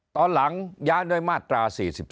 ตอนหลังย้ายด้วยมาตรา๔๔